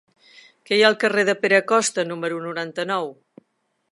Què hi ha al carrer de Pere Costa número noranta-nou?